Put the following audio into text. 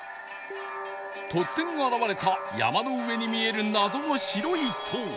突然現れた山の上に見える謎の白い塔